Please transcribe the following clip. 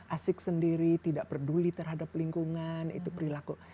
asik sendiri tidak peduli terhadap lingkungan itu perilaku